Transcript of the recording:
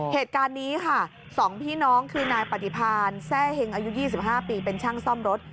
เหตุการณ์นี้ค่ะ๒พี่น้องคือนายปฏิพานแซ่เห็งอายุ๒๕ปีเป็นช่างซ่อมรถ